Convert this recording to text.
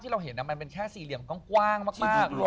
ที่ทิ้งร้อนร้านโล่ง